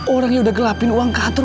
orang yang udah gelapin uang kantor